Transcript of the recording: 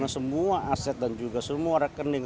semua aset dan juga semua rekening